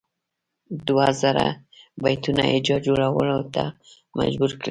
دوه زره بیتونو هجا جوړولو ته مجبور کړي.